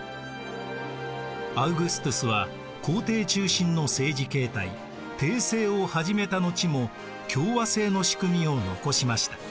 アウグストゥスは皇帝中心の政治形態帝政を始めた後も共和政の仕組みを残しました。